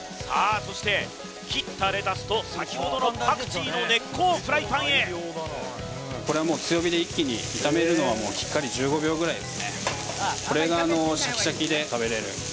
そして切ったレタスとさきほどのパクチーの根っこをフライパンへこれはもう強火で一気に炒めるのはきっかり１５秒ぐらいですねさあ